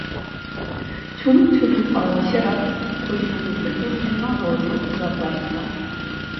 Çoluk çocuk ağlaşarak koridorun öbür ucuna doğru uzaklaştılar.